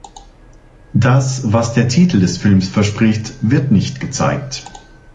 Das, was der Titel des Films verspricht, wird nicht gezeigt.